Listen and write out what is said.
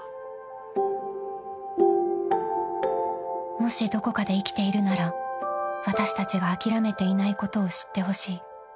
［もしどこかで生きているなら私たちが諦めていないことを知ってほしい］